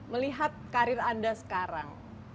melihat karir anda sekarang